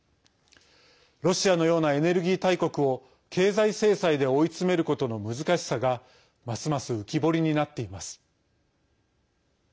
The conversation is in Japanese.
ロシアのようなエネルギー大国を経済制裁で追い詰めることの難しさがますます浮き彫りになっています。